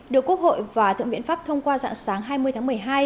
được quốc hội và thượng biện pháp thông qua dạng sáng hai mươi tháng một mươi hai